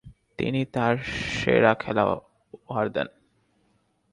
তিনি তার সেরা খেলা উপহার দেন।